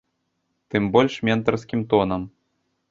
Тым больш ментарскім тонам.